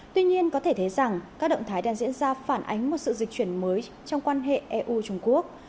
tuy nhiên có thể thấy rằng các động thái đang diễn ra phản ánh một sự dịch chuyển mới trong quan hệ eu trung quốc